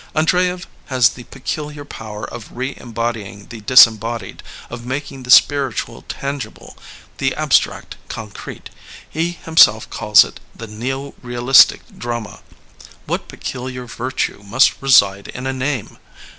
Andreyev has the peculiar power of re embodying the disembodied, of making the spirit ual tangible, the abstract concrete. He himself calls it the neo realistic" drama. What peculiar virtue must reside in a name!